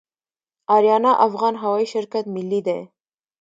اریانا افغان هوایی شرکت ملي دی